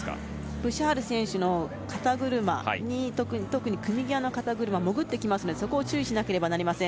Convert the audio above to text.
ブシャール選手の肩車特に組み際の肩車は潜ってきますのでそこを注意しなければなりません。